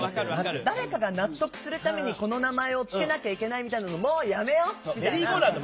誰かが納得するためにこの名前を付けなきゃいけないみたいなのもうやめよう！みたいな。